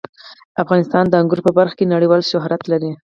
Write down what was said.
افغانستان د انګور په برخه کې نړیوال شهرت لري.